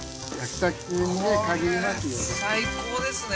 最高ですね